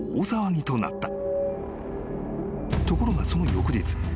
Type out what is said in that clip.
［ところがその翌日。